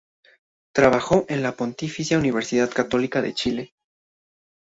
Trabajó en la Pontificia Universidad Católica de Chile.